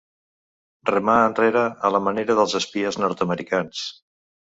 Remar enrere a la manera dels espies nord-americans.